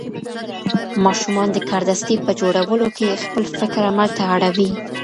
ماشومان د کاردستي په جوړولو کې خپل فکر عمل ته اړوي.